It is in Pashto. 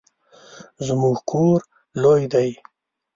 زموږ کور لوی دی